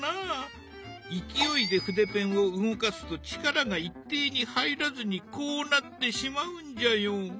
勢いで筆ペンを動かすと力が一定に入らずにこうなってしまうんじゃよ。